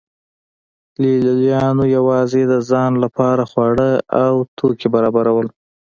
لې لیانو یوازې د ځان لپاره خواړه او توکي برابرول